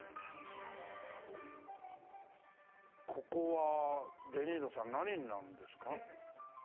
ここはデ・ニーロさん何になるんですか？